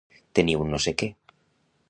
Tenir un no sé què.